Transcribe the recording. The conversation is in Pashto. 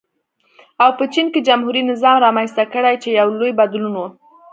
او په چین کې جمهوري نظام رامنځته کړي چې یو لوی بدلون و.